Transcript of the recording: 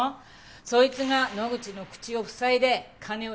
そいつが野口の口を塞いで金を独り占めした。